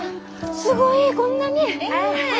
すごいこんなに！